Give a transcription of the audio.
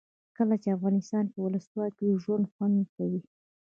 کله چې افغانستان کې ولسواکي وي ژوند خوند کوي.